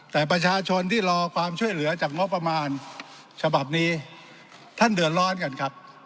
แต่ประชาชนที่รอความช่วยเหลือจากงบประมาณฉบับนี้ท่านเดือดร้อนกันครับ